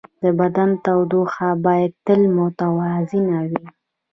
د بدن تودوخه باید تل متوازنه وي.